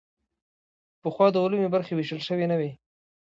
پخوا د علومو برخې ویشل شوې نه وې.